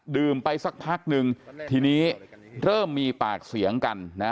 ไปสักพักนึงทีนี้เริ่มมีปากเสียงกันนะ